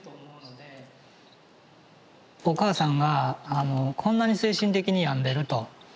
お母さんがこんなに精神的に病んでると。